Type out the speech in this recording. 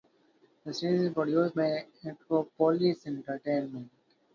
The series is produced by Acropolis Entertainment.